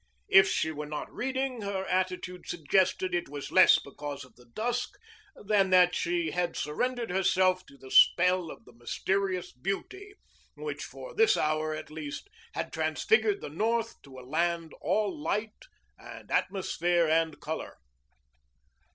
If she were not reading, her attitude suggested it was less because of the dusk than that she had surrendered herself to the spell of the mysterious beauty which for this hour at least had transfigured the North to a land all light and atmosphere and color.